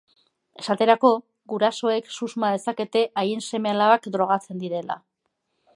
Esaterako, gurasoek susma dezakete haien seme-alabak drogatzen direla.